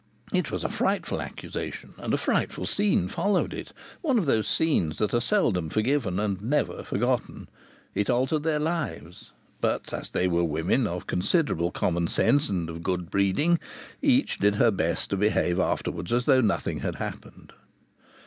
It was a frightful accusation, and a frightful scene followed it, one of those scenes that are seldom forgiven and never forgotten. It altered their lives; but as they were women of considerable common sense and of good breeding, each did her best to behave afterwards as though nothing had happened.